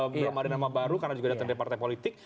belum ada nama baru karena juga datang dari partai politik